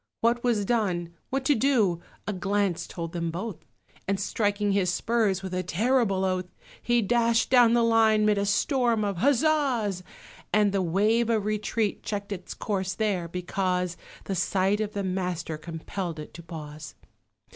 What was done what to do a glance told him both; And, striking his spurs, with a terrible oath He dashed down the line 'mid a storm of huzzahs, And the wave of retreat checked its course there, because The sight of the Master compelled it to pause.